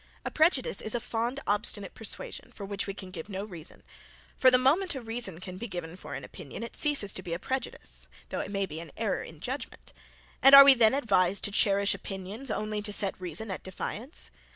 A prejudice is a fond obstinate persuasion, for which we can give no reason; for the moment a reason can be given for an opinion, it ceases to be a prejudice, though it may be an error in judgment: and are we then advised to cherish opinions only to set reason at defiance?